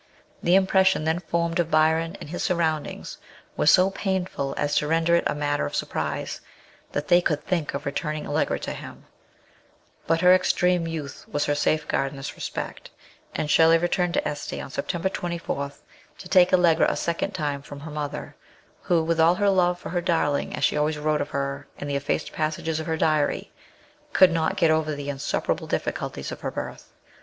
The impression then formed of Byron and his surroundings was so painful as to render it a matter of surprise that they could think of returning Allegra to him ; but her extreme youth was her safe guard in this respect, and Shelley returned to Este on September 24, to take Allegra a second time from her mother who, with all her love for her " darling," as she always wrote of her in the effaced passages of her diary, could not get over the insuperable difficulties of her birth.